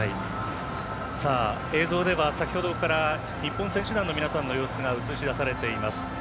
映像では、先ほどから日本選手団の皆さんの様子が映し出されています。